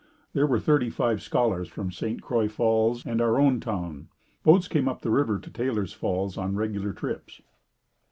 There were thirty five scholars from St. Croix Falls and our own town. Boats came up the river to Taylor's Falls on regular trips.